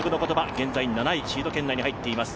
現在７位、シード権内に入っています。